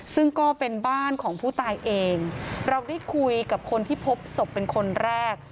ซึ่งก็เป็นบ้านของผู้ตายเองเราได้คุยกับคนที่พบศพเป็นคนแรก